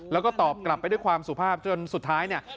แล้วก็ตอบกลับไปด้วยความสุภาพจนสุดท้ายเนี่ย